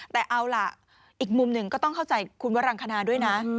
แต่เอาล่ะอีกมุมหนึ่งก็ต้องเข้าใจคุณวรังคณาด้วยนะ